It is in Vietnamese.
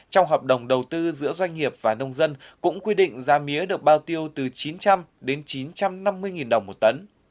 trong hợp đồng đầu tư giữa doanh nghiệp và nông dân cũng quy định giá mía được bao tiêu từ chín trăm linh đến chín trăm năm mươi đồng một tấn